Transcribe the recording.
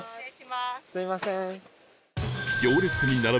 すみません。